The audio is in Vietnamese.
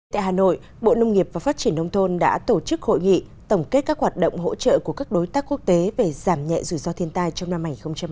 tại hà nội bộ nông nghiệp và phát triển nông thôn đã tổ chức hội nghị tổng kết các hoạt động hỗ trợ của các đối tác quốc tế về giảm nhẹ rủi ro thiên tai trong năm hai nghìn hai mươi